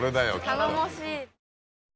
頼もしい。